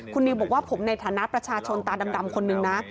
คุณนิวบอกว่าผมในฐานะประชาชนตาดำคนนึงนะ